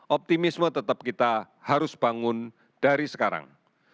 optimisme tetap kita harus bangun dari sekarang